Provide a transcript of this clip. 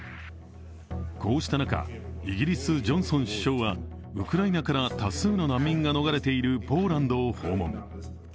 こうした中、イギリスジョンソン首相はウクライナから多数の難民が逃れているポーランドを訪問。